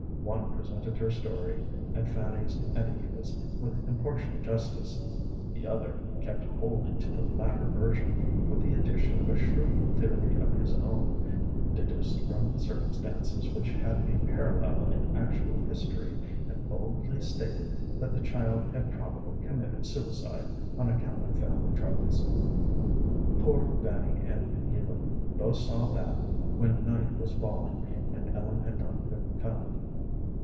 One presented her story and Fanny's and Eva's with impartial justice; the other kept wholly to the latter version, with the addition of a shrewd theory of his own, deduced from the circumstances which had a parallel in actual history, and boldly stated that the child had probably committed suicide on account of family troubles. Poor Fanny and Eva both saw that, when night was falling and Ellen had not been found.